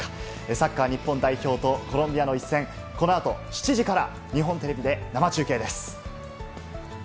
サッカー日本代表とコロンビアの一戦、このあと７時から、日本テレビで生中継です。